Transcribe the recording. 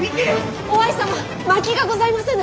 於愛様まきがございませぬ。